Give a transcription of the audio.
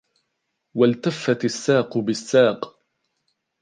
والتفت الساق بالساق